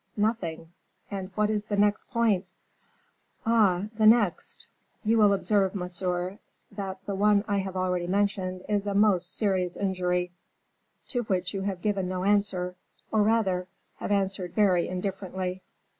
"Nothing. And what is the next point?" "Ah, the next! You will observe, monsieur, that the one I have already mentioned is a most serious injury, to which you have given no answer, or rather, have answered very indifferently.